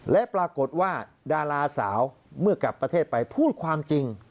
และปรากฏว่าดาราสาวเมื่อกลับประเทศไปพูดความจริง